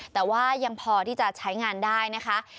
แต่ว่ายังพอที่จะใช้งานได้นะคะ